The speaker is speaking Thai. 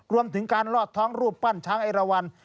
รวมถึงการลอดท้องรูปปั้นช้างเอราวัน